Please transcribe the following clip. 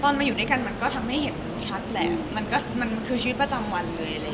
มาอยู่ด้วยกันมันก็ทำให้เห็นชัดแหละมันก็มันคือชีวิตประจำวันเลย